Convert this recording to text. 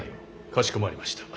かしこまりました。